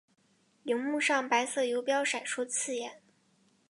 萤幕上白色游标闪烁刺眼